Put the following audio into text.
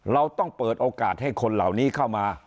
เราต้องเปิดโอกาสให้คนเหล่านี้เข้ามา